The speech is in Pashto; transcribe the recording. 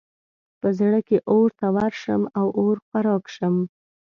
په زړه کې اور ته ورشم او اور خوراک شم.